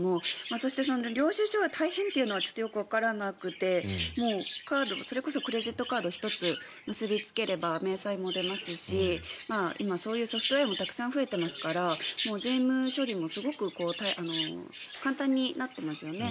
そして領収書は大変というのがちょっとよくわからなくてそれこそクレジットカード１つ結びつければ、明細も出ますし今、そういうソフトウェアもたくさん増えていますから税務処理もすごく簡単になってますよね。